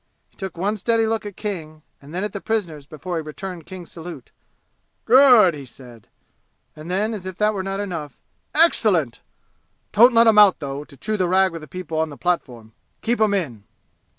He took one steady look at King and then at the prisoners before he returned King's salute. "Good!" he said. And then, as if that were not enough: "Excellent! Don't let 'em out, though, to chew the rag with people on the platform. Keep 'em in!"